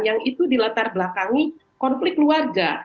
yang itu dilatar belakangi konflik keluarga